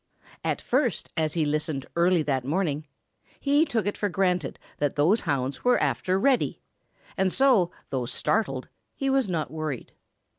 At first, as he listened early that morning, he took it for granted that those hounds were after Reddy, and so, though startled, he was not worried.